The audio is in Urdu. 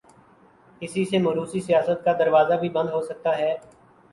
اسی سے موروثی سیاست کا دروازہ بھی بند ہو سکتا ہے۔